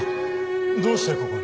どうしてここに？